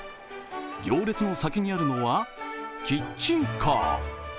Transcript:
行列の先にあるのはキッチンカー。